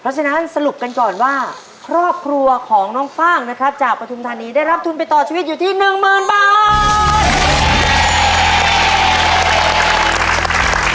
เพราะฉะนั้นสรุปกันก่อนว่าครอบครัวของน้องฟ่างนะครับจากปฐุมธานีได้รับทุนไปต่อชีวิตอยู่ที่หนึ่งหมื่นบาท